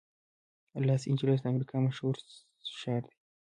لاس انجلس د امریکا مشهور ښار دی.